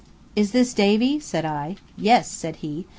"Is this Davy?" said I. "Yes," said he.